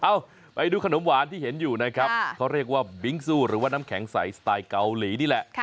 ไปดูขนมหวานที่เห็นอยู่นะครับเขาเรียกว่าบิงซู่หรือว่าน้ำแข็งใสสไตล์เกาหลีนี่แหละ